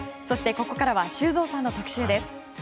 そして、ここからは修造さんの特集です。